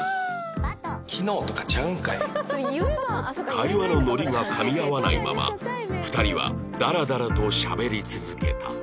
会話のノリがかみ合わないまま２人はダラダラとしゃべり続けた